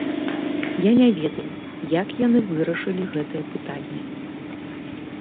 Я не ведаю, як яны вырашылі гэтае пытанне.